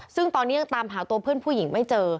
ซึ่งตอนนี้ยังตามหาตัวเพื่อนผู้หญิงไม่เจอ